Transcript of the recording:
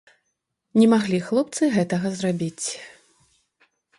Не маглі хлопцы гэтага зрабіць?